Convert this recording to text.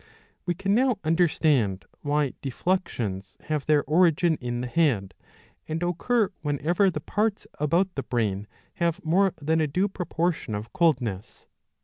^2 We can now understand why defluxions have their origin in the head, and occur whenever the parts about the brain have more than a due proportion of coldness.